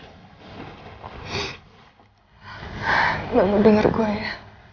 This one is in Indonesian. enggak mau denger gue ya